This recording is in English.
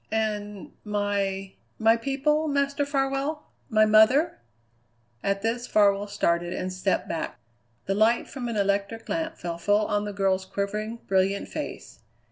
And my my people, Master Farwell, my mother?" At this Farwell started and stepped back. The light from an electric lamp fell full on the girl's quivering, brilliant face.